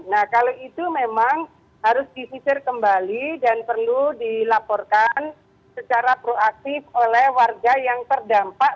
nah kalau itu memang harus disisir kembali dan perlu dilaporkan secara proaktif oleh warga yang terdampak